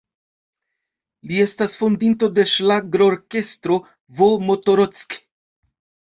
Li estas fondinto de ŝlagrorkestro "V'Moto-Rock".